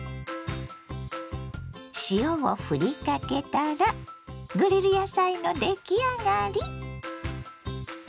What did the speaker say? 塩をふりかけたらグリル野菜の出来上がり。